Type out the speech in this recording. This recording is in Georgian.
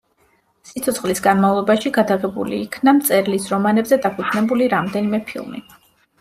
სიცოცხლის განმავლობაში გადაღებული იქნა მწერლის რომანებზე დაფუძნებული რამდენიმე ფილმი.